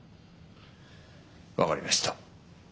分かりました。